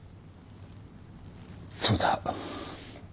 そうだ。